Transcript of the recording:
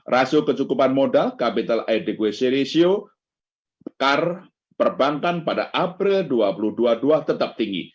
rasio kecukupan modal capital adequation ratio karban pada april dua ribu dua puluh dua tetap tinggi